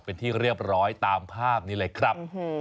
เป็นที่เรียบร้อยตามภาพนี้เลยครับ